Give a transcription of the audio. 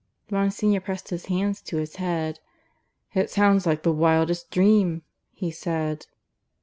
Monsignor pressed his hands to his head. "It sounds like the wildest dream," he said.